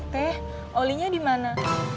teeh olinya dimana